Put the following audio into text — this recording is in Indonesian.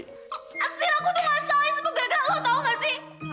astaga aku tuh masalahnya sepuluh gagak lo tau gak sih